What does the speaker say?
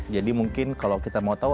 mungkin kalau kita mau tahu